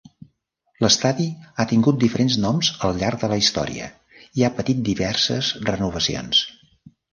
L'estadi ha tingut diferents noms al llarg de la història i ha patit diverses renovacions.